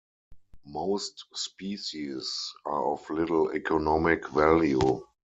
Most species are of little economic value.